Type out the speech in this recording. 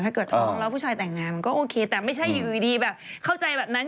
ท้องแล้วผู้ชายแต่งงานมันก็โอเคแต่ไม่ใช่อยู่ดีแบบเข้าใจแบบนั้น